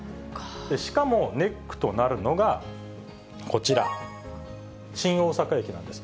しかもネックとなるのがこちら、新大阪駅なんです。